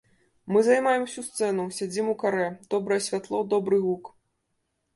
Мы займаем усю сцэну, сядзім у карэ, добрае святло, добры гук.